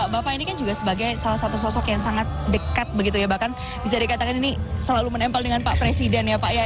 bapak ini kan juga sebagai salah satu sosok yang sangat dekat begitu ya bahkan bisa dikatakan ini selalu menempel dengan pak presiden ya pak ya